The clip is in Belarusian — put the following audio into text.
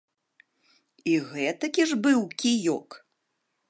І гэтакі ж быў кіёк!